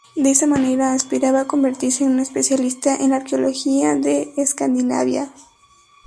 De esa manera aspiraba a convertirse en una especialista en la arqueología de Escandinavia.